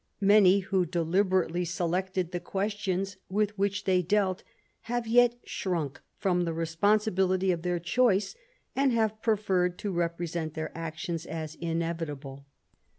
Many who deliberately selected the questions with which they dealt have yet shrunk from the responsi bility of their choice, and have preferred to represent their actions as inevitable.